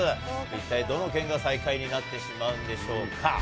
一体どの県が最下位になってしまうんでしょうか。